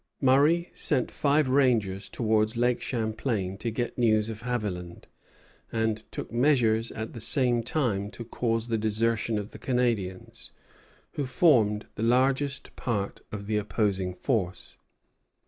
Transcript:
Murray sent five rangers towards Lake Champlain to get news of Haviland, and took measures at the same time to cause the desertion of the Canadians, who formed the largest part of the opposing force.